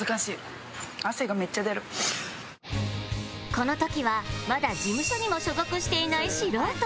この時はまだ事務所にも所属していない素人